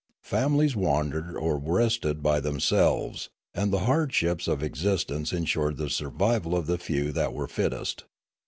Families wandered or rested by themselves; and the hardships of existence ensured the survival of the few that were fittest.